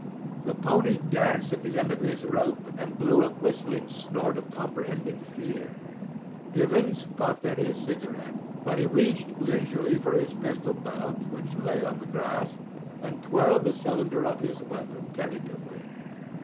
The pony danced at the end of his rope and blew a whistling snort of comprehending fear. Givens puffed at his cigarette, but he reached leisurely for his pistol belt, which lay on the grass, and twirled the cylinder of his weapon tentatively.